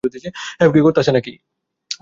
এখন তাঁকে কর্নেল পদে পদোন্নতি দেওয়া হয়েছে।